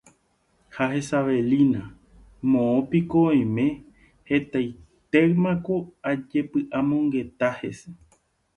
ha Isabelina, moõpiko oime hetaitémako ajepy'amongeta hese